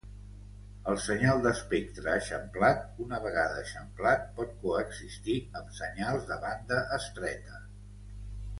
El senyal d'espectre eixamplat, una vegada eixamplat, pot coexistir amb senyals de banda estreta.